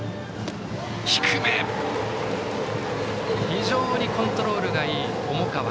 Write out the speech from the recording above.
非常にコントロールがいい重川。